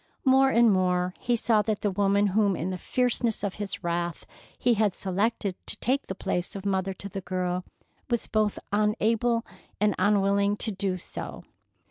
More and more he saw that the woman whom in the fierceness of his wrath he had selected to take the place of mother to the girl was both unable and unwilling to do so.